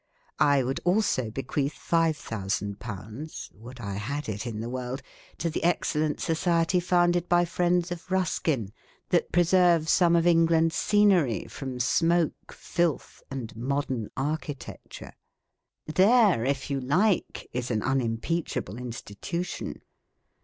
I would also bequeath 5,000 (would I had it in the world !) to the excellent Society founded by friends of Ruskin, that preserves some of England's scenery from smoke, filth, and modern architecture. There, if you like, is an unimpeachable institution